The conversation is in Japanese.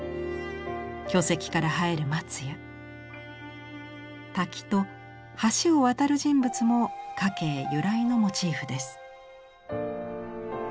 巨石から生える松や滝と橋を渡る人物も夏珪由来のモチーフです。